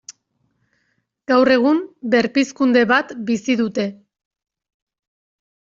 Gaur egun berpizkunde bat bizi dute.